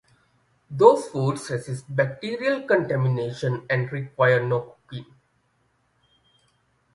Those foods resist bacterial contamination and require no cooking.